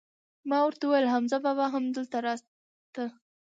ما ور ته وویل: حمزه بابا هم دلته راته؟